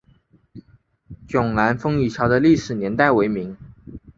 迥澜风雨桥的历史年代为明。